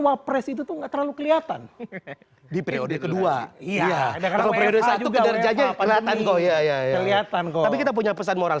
wapres itu tuh nggak terlalu kelihatan di periode kedua iya ya ya ya ya kita punya pesan moral